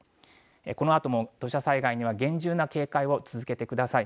このあとも土砂災害には厳重な警戒を続けてください。